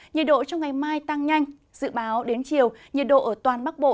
nhiệt độ trong ngày mai tăng nhanh dự báo đến chiều nhiệt độ ở toàn bắc bộ